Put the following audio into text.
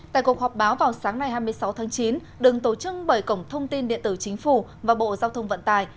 tại cuộc họp báo vào sáng nay hai mươi sáu tháng chín đường tổ chức bảy cổng thông tin điện tử chính phủ và bộ giao thông vận tải